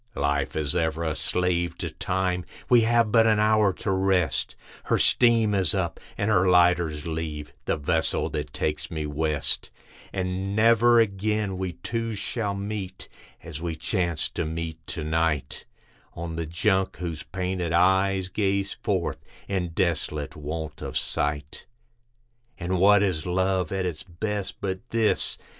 Life is ever a slave to Time; we have but an hour to rest, Her steam is up and her lighters leave, the vessel that takes me west; And never again we two shall meet, as we chance to meet to night, On the Junk, whose painted eyes gaze forth, in desolate want of sight. And what is love at its best, but this?